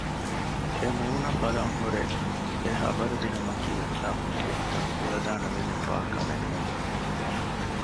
އެމޫނަށް ބަލަން ހުރެ އެޙަބަރު ދިނުމަކީ ނަވީންގެ ހިތަށް ކުޅަދާނަވެގެން ވާ ކަމެއް ނޫން